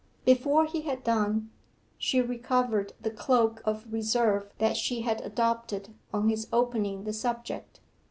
Before he had done, she recovered the cloak of reserve that she had adopted on his opening the subject.